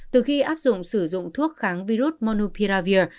từ khi áp dụng sử dụng thuốc kháng virus monopiravir